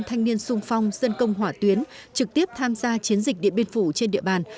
thanh niên sung phong dân công hỏa tuyến trực tiếp tham gia chiến dịch điện biên phủ trên địa bàn